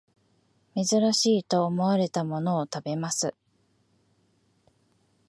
珍しいと思われたものを食べます